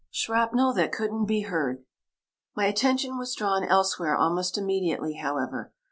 SHRAPNEL THAT COULDN'T BE HEARD My attention was drawn elsewhere almost immediately, however.